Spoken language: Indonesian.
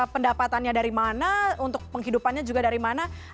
pendapatannya dari mana untuk penghidupannya juga dari mana